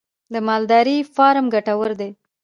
د مالدارۍ فارم ګټور دی؟